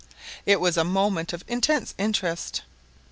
It was a moment of intense interest.